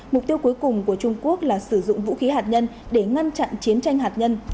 mục tiêu cuối cùng của trung quốc là sử dụng vũ khí hạt nhân để ngăn chặn chiến tranh hạt nhân